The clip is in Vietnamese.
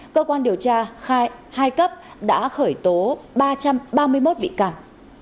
cơ quan điều tra khai hai cấp đã khởi tố ba trăm ba mươi một bị càng